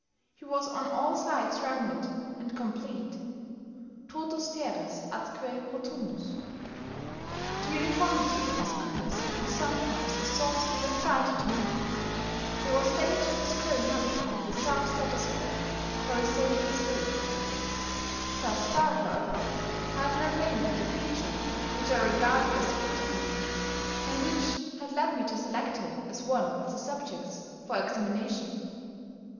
He was on all sides rounded and complete totus teres atque rotundus. The uniformity of his goodness was sometimes a source of anxiety to me. There was danger of his growing up with a self satisfied, pharisaical spirit. Thus far, however, I have not named the feature which I regarded as the critical one, and which had led me to select him as one of the subjects for examination.